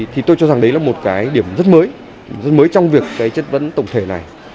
thì tôi cho rằng đấy là một cái điểm rất mới rất mới trong việc cái chất vấn tổng thể này